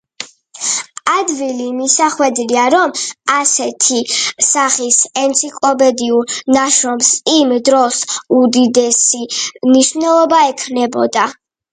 ადვილი მისახვედრია, რომ ასეთი სახის ენციკლოპედიურ ნაშრომს იმ დროს უდიდესი მნიშვნელობა ექნებოდა.